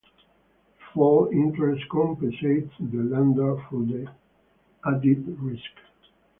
Default interest compensates the lender for the added risk.